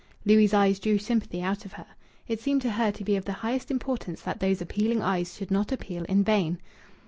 Louis' eyes drew sympathy out of her. It seemed to her to be of the highest importance that those appealing eyes should not appeal in vain.